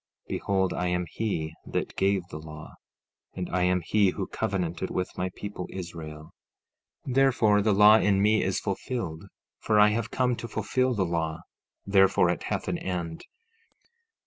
15:5 Behold, I am he that gave the law, and I am he who covenanted with my people Israel; therefore, the law in me is fulfilled, for I have come to fulfil the law; therefore it hath an end.